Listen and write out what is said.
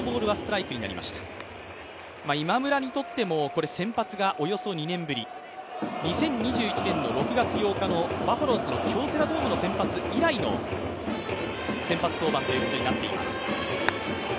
今村にとっても先発がおよそ２年ぶり２０２１年の６月８日の、バファローズの京セラドームの先発以来の先発登板ということになっています。